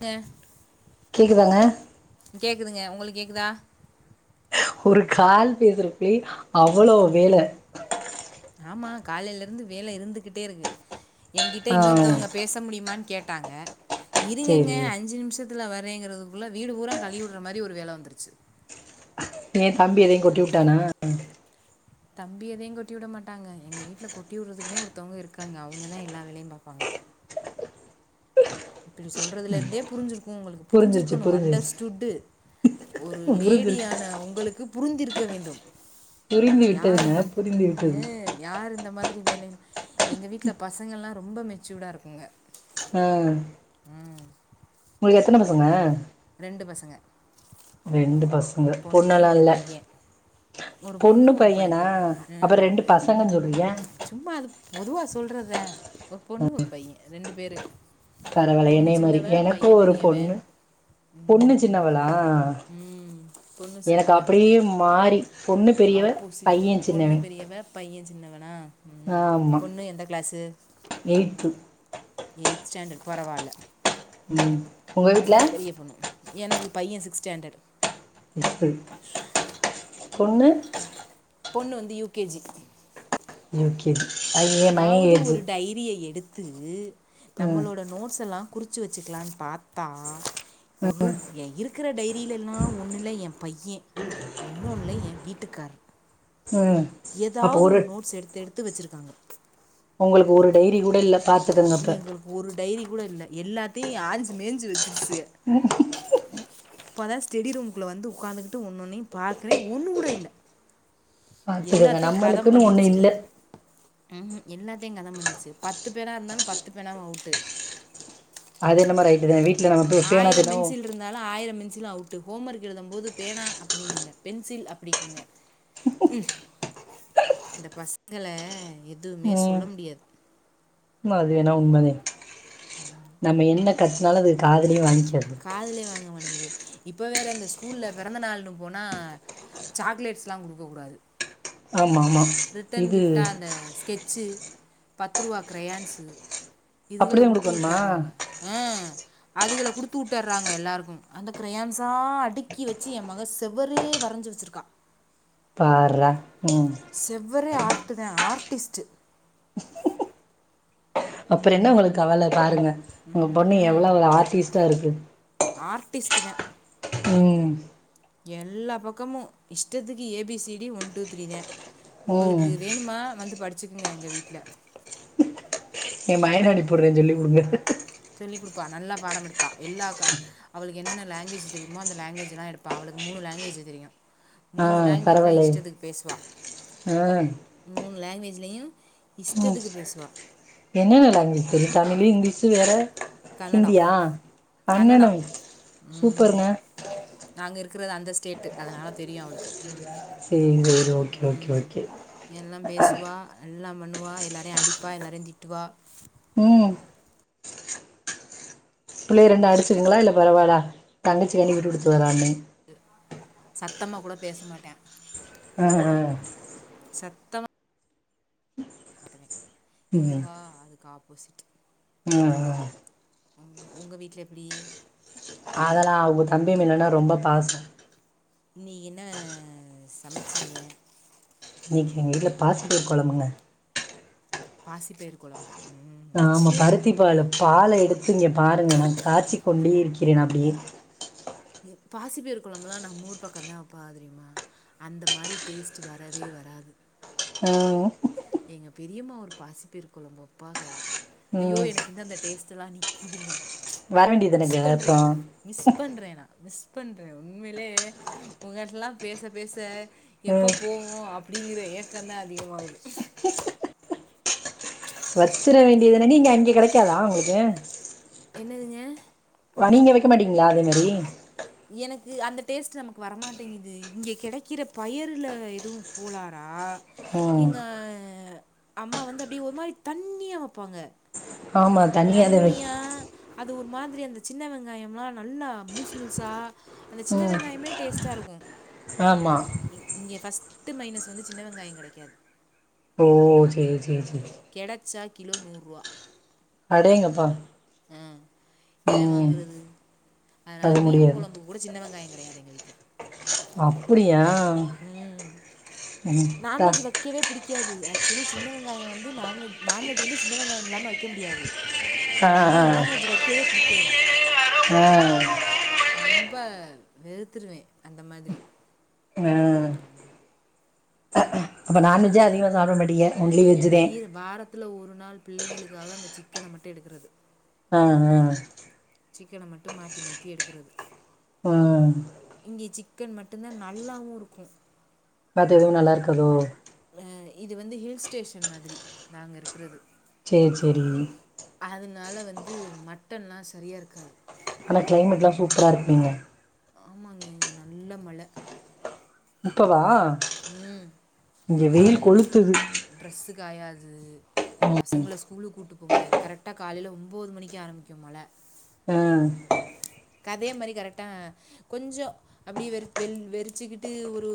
பே க்குதாங்க கேக்குதுங்க உங்களுக்கு கேக்குதா ஒரு கால் பேசுறக்குள்ளி அவ்வளோ வேல ஆமா காலைலா இருந்து வேல இருந்துகிட்டே இருக்கு எங்கிட்ட ஆ இன்னொருத்தவங்க பேச முடியுமானு கேட் விட்டாங்க இருங்கங்க சேரி அஞ்சு நிமிஷத் இரு நா வரேங்கிறதுக்குள்ள வீடு பூரா கழுவிடுற மாரி ஒரு வேல வந்துருச்சு ஏ தம்பி எதயு கொட்டி விட்டானா தம்பி எதயு கொட்டி விட மாட்டாங்க எங்க வீட்ல கொட்டி விடுறதுக்குனே ஒருத்தவுங்க இருக்காங்க அவுங்கதா எல்லா வேலயு பாப்பாங்க இப்டி சொல்றதுல இருந்தே புரிஞ்சிரு உங்களுக்கு புரிஞ்சிருச்சு புரிஞ்சிருக்கணு புரிஞ்சிருச்சு அண்டஸ்டுட்டு ஒரு புரிஞ்சிருச்சு லேடியான உங்களுக்கு புரிஞ்சிரு இருக்க வேண்டும் புரிந்து யார் விட்டதுங்க புரிந்து விட்டது மாரி வேல எங்க வீட்ல பசங்கள்லா ரொம்ப மெச்சூடா இருக்குங்க அ.. உம் உங்களுக்கு எத்தன பசங்க ரெண்டு பச ஒரு பொண்ணு ஒரு பைய ஒரு பொண்ணு ஒரு பைய அப்ப ரெண்டு உம் பசங்கன்னு சொல்றீங்க சும்மா அது பொதுவா சொல்றது ஒரு பொண்ணு ஒரு பைய ரெண்டு பேரு பரவால என்னய மாரி எனக்கு ஒரு பெரியவன் பொண்ணு பொண்ணு சின்னவளா ம், பொண்ணு எனக்கு சின்னவ அப்டியே மாரி ஆப்போசிட் பொண்ணு பெரியவ பைய சின்னவனா ஆமா பொண்ணு எந்த க்ளாஸு எய்த்து எயி்த் ஸ்டாண்டடு பரவால உம் ஒங்க வீட்ல பொண்ணு எனக்கு பைய சிக்ஸ்த் ஸ்டாண்டடு சரி [unintelligible] பொண்ணு பொண்ணு வந்து யூகேஜி யூகே [unintelligible] ஏதாவது ஒரு டைரிய எடு [unintelligible] ம் நம்மளோட நோட்ஸ் எல்லா குறுச்சு வெச்சுக்கலானு பாத்தா உருட் எ இருக்ற டைரில எல்லா ஒண்ணுல எ பையன் இன்னொன்னுல என் வீட்டுக்காரர் ம் ஏதாவது ஒரு நோட்ஸ் எடுத்து எடுத்து வச்சிருக் [unintelligible] உங்களுக்கு ஒரு டைரி கூட இல்ல பாத்துக்கங்க அப்ப எங்களுக்கு ஒரு டைரி கூட இல்ல எல்லாத்த தீ ஆஞ்சு மேஞ்சுறு செரி இப்பதான் ஸ்டெடி ரூமுகுள்ள வந்து உக்காந்துகிட்டு ஒன்னுஓன்னையும் பாக்குறேன் ஒண்ணு கூட இல்ல பாத்துக்கங்க நம்மளுக்குன்னு ஒண்ணு இல்ல எல்லாத்தையும் கதம் பண்ணிடுச்சு பத்து பேரா இருந்தாலும் பத்து பேனாவும் அவுட்டு அது என்னமோ ரைட்டு தான் வீட்ல நம்ம போய் பேனா ஆயிரம் தினமு பென்சில் இருந்தாலும் ஆயிரம் பென்சிலும் அவுட் ஹோம் ஒர்க் எழுதும் போது பேனா அப்டின்னுங்க பென்சில் அப்டிங்கங்க இந்த பசங்கள உம் அது வேணா உண்மை தான் நம்ம என்ன கத்துனாலும் அது காதுலையும் வாங்கிக்காது காதுலயே வாங்க மாட்டேங்குது இப்ப வேற இந்த ஸ்கூல்ல பிறந்த நாள்ன்னு போனா சாக்லேட்ஸ்ல்லா குடுக்க கூடாது ஆமா ஆமா ரிட்டன் இது கிஃப்ட்டா அந்த ஸ்கெட்சு பத்து ரூபா கிரையான்ஸ இதுகள அப்படிதான் குடுத்து குடுக்கணுமா வுட்டுறாங்க அ அதுகள குடுத்து வுட்டுறாங்க எல்லாருக்கும் அந்த கிரையான்ஸா அடுக்கி வச்சு என் மக செவரே வரஞ்சி வச்சிருக்கா பார்றா ம் செவ்வறே ஆர்ட்டு தா ஆர்ட்டிஸ்ட் அப்புறம் என்ன உங்களுக்கு கவல பாருங்க உங்க பொண்ணு எவ்வளவு ஆர்டிஸ்ட்டா இருக்கு ஆர்டிஸ்ட்டுதா உம் எல்லா பக்கமும் இஷ்டத்துக்கு ஏபிசிடி ஒன் டூ ஃதிரீ தா ம் உங்களுக்கு வேணுமா வந்து படிச்சு வச்சுக்கங்க எங்க வீட்டுல எ மயனே அனுப்பூட்றே சொல்லி கொடுங்க சொல்லிக் குடுப்பா நல்லா பாடம் படிப்பா எல்லா க அவளுக்கு என்னென்ன லாங்வேஜ் தெரிமோ அந்த லாங்வேஜ் எல்லா எடுப்பா அவளுக்கு மூணு லாங்வேஜ் தெரியு ஆ மூணு லாங்வேஜ்லயு பரவாயில்லையே இஷ்டத்துக்கு பேசுவா ஆ மூணு லாங்வேஜ் ல்லியு ம் என்னென்ன லாங்வேஜ் தெரியு தமிழு இங்கிலீஷ் வேற கன்னடம் ஹிந்தியா கன்னடம் அங்கனம் சூப்பருங்க இருக்குறது அந்த ஸ்டேட்டு அதனால தெரியு அவளுக்கு சேரி சேரி ஓகே ஓகே ம், ஓகே எல்லா பண்ணுவா எல்லாரையு அடிப்பா எல்லாரையு திட்டுவா ம் பிள்ளை ரெண்டு அடிச்சுக்குங்களா இல்ல பரவால்ல தங்கச்சிண்டு விட்டு குடுத்து வரான்னு சத் த்தமா கூட பேச மாட்ட ஆ அ சத்தமா மாட்டுவேன் இதுவா அதுக்காப் உசிிக்கி [unintelligible] ம் ம் உங்க உங்க வீட்ல எப்டி அதல்லா அவங்க தம்பி மேலன ரொம்ப பாச இன்னைக் என்ன சமச்சிங்க இன்னைக்கு எங்க வீட்ல பாசிப்பயிர் கொழம்புங்க பாசிப்பயிர் கொழம்பு ஆமா பருத்தி பால பால் எடுத்து இங்க பாருங்க நா காய்ச்சிக் கொண்ட இருக் கிறே அப்டியே பாசிபயிர் குழம்புலா நம்ம ஊர் பக்கம் தா பாக்கந்தா வப்பாக அந்த மாதிரி டேஸ்ட் வரவே வராது ஆ எங்க பெரியம்மா ஒரு பாசிபயிறு கொழும்பு வப்பாக ஐயோ ம் எனக்கு இந்த அந்த டேஸ்ட் எல்லா நீ கிதுங்க வர மிஸ் வேண்டியதானங்க பண்றே அப்றோ மிஸ் பண்றே நா மிஸ் மிஸ் பண்றே உண்மைலே உங்க்கிட்டல்லா பேச பேச ம் எப்ப போவோ அப் ப்டிங்கிற ஏக்கந்தா அதிகமாகுது [inaudible] வச்சிர வேண்டியதுதான நீங்க அங்க கெடைக்காதா உங்களுக்கு? என்னதுங்க? நீங்க வைக்க மாட்டீங்களா அதே மாரி? எனக்கு அந்த டேஸ்ட்டு நமக்கு வரமாட்டேங்குது. இங்க கெடைக்கிற பயறுல எதுவு கோளாறா? ம் இங்க அம்மா வந்து அப்டியே ஒரு மாரி தண்ணியா வப்பாங்க. ஆமா தனியாதா வை தண்ணியா அது ஒரு மா திரி அந்த சின்ன வெங்காயம்லா நல்லா முழுசு முழுசா அந்த சின்ன ம் வெங்காயமே டேஸ் ட்டா இருக்கு. ஆமா இங் இங்க ஃபஸ் ட்டு மைனஸ் வந்து சின்ன வெங்காயங் கெடைக்காது. ஓ சேரி சே கெடைச்சா கிலோ நூர்ருவா அடேங்கப்பா ஆ எவே ம் வாங்குறது? அதனால அது மீன் முடியாது கொழம்புக்கு கூட சின்ன வெங்காய கெடையாது எங்க வீட்ல. அப்பிடியா ம். ம் தா க்சுவலி சின்ன வெங்காயோ வந்து நான்வெஜ் நான்வெஜ் வந்து சின்ன வெங்காயம் இல்லாம வக்க முடியாது ஆ அதனால ஆ நான்வெஜ் வக்கவே புடிக்காது ஆ ஆ ரொம் ப வெறுத்துருவே அந்த மாதிரி அப்ப நான்வெஜ்ஜே அதிகமா ஆமாம் சாப்பட மாட்டீங்க ஒன்லி வெஜ்ஜுதே. வீர வாரத்தில் ஒரு நாள் பிள்ளைங்களுக்காக அந்த சிக்கன மட்டு எடுக்குறது ஆ ஹா சிக்கன மட்டு மாத்தி மாத்தி எடுக்கறது ஆ கன் மட்டும்தா நல்லாவு இருக்கு. மத்த எதுவு நல்லா இருக்காதோ? இது வந்து ஹில் ஸ்டேஷன் மாதிரி நாங்க இருக்கறது சேரி சேரி னால வந்து மட்டன்லா சரியா இருக்காது ஆனா கிளைமேட் எல்லா சூப்பரா இருக்கு இங்க. ஆமாங்க இங்க நல்ல மழ இப்பவா ம் இங்க வெயில் காலல கொளுத்துது ட்ரஸ் காயாது ம் பசங்கள ஸ்கூலு கூட்டு போ முடியாது கரெக்டா காலைல ஒம்போது மணிக்கே ஆரம்பிக்கோ மழ ம் கதே மாத்ரி கரெக்டா கொஞ்ச அப்டியே வெறு வெ வெறிச்சிக்கிட்டு ஒரு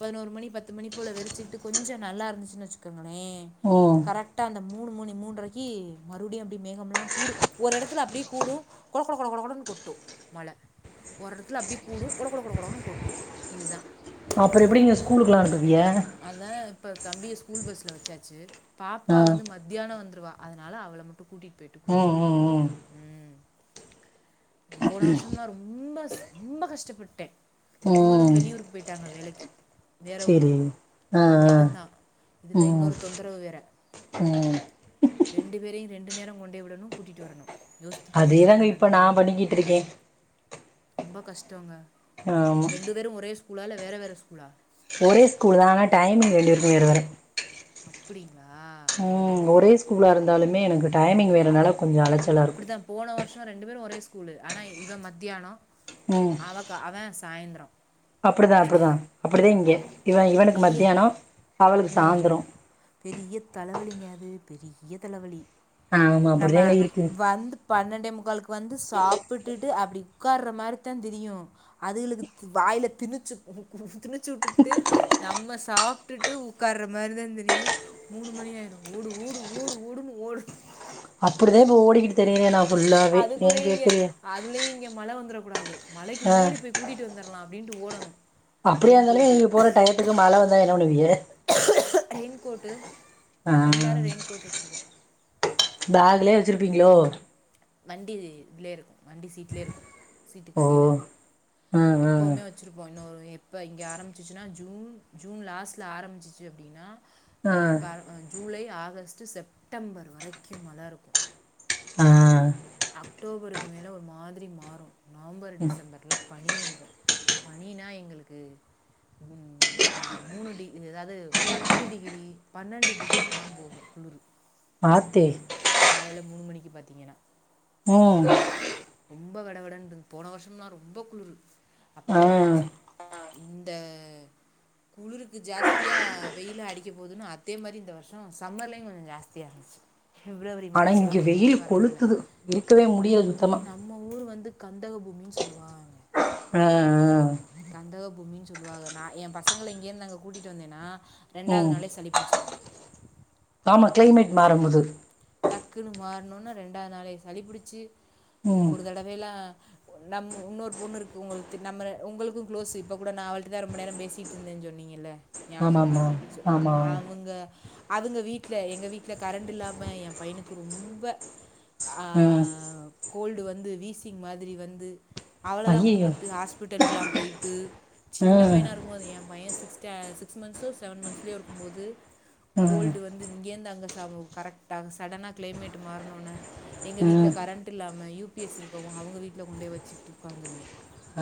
பதினோரு மணி பத்து மணி போல வெறிச்சிக்கிட்டு கொஞ்ச நல்லா இருந்துச்சுன்னு வச்சுக்கோங்களே ம் கரெக்டா அந்த மூணு மணி மூன்றரைக்கு மறுபடியு அப்டி மேகமெலா கூடு ஒரு இடத்துல அப்டியே கூடு கொட கொட கொட கொடனு கொட்டு மழ ஒரு எடத்துல அப்டிய கூடு கொட கொட கொட கொட்டு இதுதா அப்பற எப்டி நீங்க ஸ்கூலுக்கலா அனுப்பறது அதா இப்ப தம்பி ஸ்கூல் பஸ்ல வச்சாச்சு பாப்பா ஆ வந்து மத்தியான வந்து ருவா அதனால அவள மட்டு கூட்டிட்டு போய்ட்டு கூட்டு ம் வந்துட்ட ம் ம் போன வருஷம்லா ரொம்ப ரொம்ப கஷ்டப்பட்டே இவங்களு ம் வெளியூருக் போயிட்டாங்க வேலக்கு வேற சேரி ஊருக்கு ஆ நா ஆ மட்டுந்தா இதுல ம் இன்னொரு தொந்தரவு வேற ம் ரெண்டு பேரையு ரெண்டு நேரம் கொண்டே விடனு கூட்டிட்டு வரனு அதேதாங்க இப்ப நா பண்ணிக்கிட்டு இருக்கே ரொம்ப கஷ்டோங்க ஆமா ரெண்டு பேரு ஒரே ஸ்கூலா இல்ல வேற வேற ஸ்கூலா ஒரே ஸ்கூல்தா டைமிங் ரெண்டு பேருக்கு வேற வேற [unintelligible] ம் ம் ஒரே ஸ்கூலா இருந்தாலுமே எனக்கு டைமிங் வேற நடக் அப்டிதா போன வருஷ ரெண்டு பேரு ஒரே ஸ்கூலு ஆனால் இவ மத்தியான ம் அவக்கா அவ சாய்ந்த்ரம் அப்டிதா அப்டிதா அப்டிதா இங்க இவ இவனுக்கு பெரிய மத்தியானோ அவளுக்கு ம் சாந்தரோ பெரிய தலைவலிங்க அது பெரிய தலைவலி ஆமா நம்ம அப்படிதாங்க இருக்கு வந்து பன்னெண்ட முக்களுக்கு வந்து சாப்பிட்டுட்டு அப்படி உடக்கார்ற மாதிரி தான் தெரியும் அதுக வாயில திணச்சி திணிச்சு விட்டுட்டு நம்ம சாப்ட்டுட்டு உக்காற மாரி தா தெரியு மூணு மணிஆயிடு ஓடு ஓடு ஓடு ஓடுன்னு ஓடு அப்புடிதா இப்ப ஓடிக்கிட்டு தெரிற நா ஃபுல்லாவே ஏ அதுக்குலய இங்க கேக்குறிய அதுலயே இங்க மழவந்துரும் கூடாது மழைக்கு ஆ முன்னாடி கூட்டிட்டு வந்துரலாம் அப்டின்ட்டு ஓடணும் அப்படியா ரெயின் இருந்தாலுமே கோட்டு நீங்க போற டயத்துக்கு மழை வந்தா என்ன பண்ணுவீங்க ரெயின் கோட்டு் ஆ எல்லாரும் ரெயின்கோட் வச்சிருக்கோம் பேக்லயே வச்சிருப்பீங்களோ வண்டி இதுலயே இருக்கும் வண்டி சீட்லயே இருக்கும் சீட்டுக்கு ஓ அடியில இருக்கும் ஆ ஆ எப்பவுமே வச்சுருப்போம் இன்னொரு எப்போ இங்கே ஆரம்மிச்சிச்சின்னா ஜூன் ஜூன் லாஸ்ட்டில் ஆரம்பிச்சிச்சு அப்படின்னா ஆ இப்ப ஜூலை ஆகஸ்ட் செப்டம்பர் வரைக்கும் மழை இருக்கும் ஆஹ் அக்டோபருக்கு மேல ஒரு மாதிரி மாறும் நவம்பர் டிசம்பர் பனி வந்துடும் பனினா எங்களுக்கும் நான் மூணு டிகிரி தாவது பத்து டிகிரி பன்ணெண்டு டிகிரிக்கெல்லாம் போகும் [inaudible] பாத்து காலையில மூணு மணிக்கு பாத்தீங்கன்னா உம் ரொம்ப வெடவெடனு இருக்கும் போன வருஷம்யெல்லாம் ரொம்ப குளிர் ஆ அப்பவே நினைச்சேன் இந்த குளிருக்கு ஜாஸ்தியா வெயில் அடிக்க போதுன்னா அதே மாதிரி இந்த வருஷம் சம்மர்லயும் கொஞ்சம் ஜாஸ்தியா இருந்துச்சு பிப்ரவரி ஆனா இங்க மார்ச்லாம் வெளியிலே வெயில் வர முடியல கொளுத்துது இருக்கவே முடியாது அது நம்ம ஊர் வந்து கந்தக பூமின்னு சொல்லுவாங்க ஆஹ்ஹ கந்தக பூமின்னு சொல்லுவாங்க நான் என் பசங்களை இங்கே இருந்து கூட்டிகிட்டு வந்தேன்னா ரெண்டாவது ம் நாளே சளிபிடிச்சிடும் ஆமா கிளைமேட் மாறும் போது டக்குன்னு மாற்னோனு ரெண்டாவது நாளே சளிபிடிச்சி ம் ஒரு தடவேல்லாம் நம் இன்னொரு பொண்ணுக்கு உங்களுக்கு நம்ம உங்களுக்கும் க்ளோஸ் இப்ப கூட நான் அவள்கிட்டு தான் ரொம்ப நேரம் பேசிட்டு இருந்தேன்னு சொன்னீங்கல்ல ஞாபகம்யிருக்கா ஆமாமா ஆமா அவங்க அவங்க வீட்டில எங்கள் வீட்டில கரெண்ட் இல்லாமல் என் பையனுக்கு ரொம்ப உஹம் கோல்டு வந்து வீசிங் மாதிரி வந்து அவ்ளோதான் ஐயையோ கூட்டிகிட்டு ஹாஸ்பிட்டலுக்கலாம் போயி்ட்டு சின்ன ம் பையனா இருக்கும் போது என் பையன் சிக்ஸ் சிக்ஸ் மன்த்ஸோ செவன் மன்த்ஸ்லயோ இருக்கும்போது ம் கோல்டு வந்து இங்கந் அங்க ச கரெக்டா சடனா கிளைமேட் மாறனும் எங்க வீட்ல ம் கரண்ட் இல்லாம நம்ம யூபிஎஸ் இருக்கவும் அவங்க வீட்ல கொண்டே வச்சுட்டு உக்காந்துருந்தேன்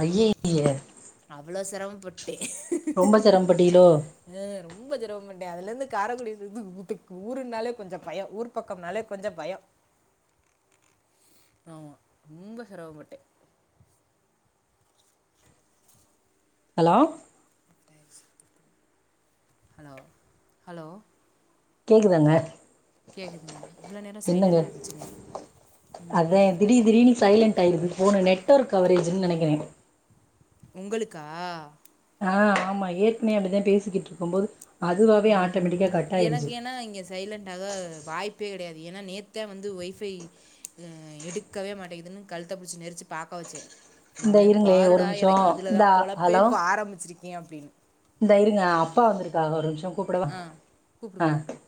அய்யய்ய அவ்ளோ சிரமப்பட்டு ரொம்ப சிரமபட்டியலோ ண்ட அதுல இருந்து காரைக்குடிக்கு ஊருனாலே கொஞ்சம் பயம் ஊருக் பக்கம்னாலே கொஞ்சம் பயம் ஆமா ரொம்ப சிரவப்பட்டட்டேன் ஹலோ ஹலோ கேக்குதாங்க கேக்குதுங்க இவ்ளோ நேரம் என்னங்க சைலன்டா இருந்துச்சுங்க ம் போனு நெட்ஒர்க் கவரேஜ்ன்னு நெனைக்கிறேன் உங்களுக்கா ஆஹ் ஆமா ஏற்கனவே அப்படிதான் பேசிக்கிட்டு இருக்கும் போது அதுவாவே ஹம் ஆட்டோமேட்டிக்கா கட் எனக்கு ஆயிருச்சு ஏன்னா இங்க சைலன்டாக வாய்ப் பே கிடையாது ஏன்னா நேத்தான் வந்து ஒயஃபை எடுக்கவே மாட்டேங்கிதுன்னு கழுத்தை புடிச்சி நெரிச்சு பாக்க வச்சேன் இந்தா மவனை இருங்களே ஒரு பாருடா நிமிஷோ எனக்கு இதுலதா இந்தா பொழப்பே ப்பா ஆரம்பிச்சிருக் ஏன் அப்டின்னு ந்தருங்க அப்பா வந்திருக்காக ஒரு நிமிஷம் அ கூப்டுங்க கூப்டுங்க